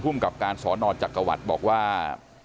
หุ้มกับการสอนอนจักรวรรษบอกว่า